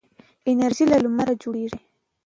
انرژي له لمره جوړیږي.